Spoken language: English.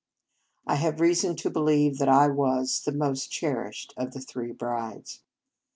I have reason to believe I was the most cherished of the three brides.